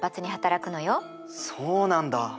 そうなんだ！